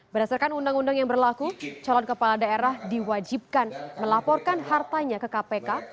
berdasarkan undang undang yang berlaku calon kepala daerah diwajibkan melaporkan hartanya ke kpk